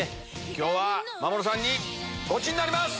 今日は真守さんにゴチになります！